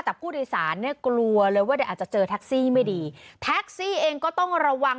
แต่ผู้โดยสารเนี่ยกลัวเลยว่าเดี๋ยวอาจจะเจอแท็กซี่ไม่ดีแท็กซี่เองก็ต้องระวัง